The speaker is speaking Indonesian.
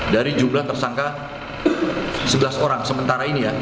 dari jumlah tersangka sebelas orang sementara ini ya